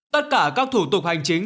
tất cả các thủ tục hành chính